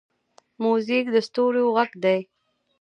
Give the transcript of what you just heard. موزیک د ستوریو غږ دی.